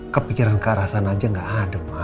kepikiran kearasan aja gak ada ma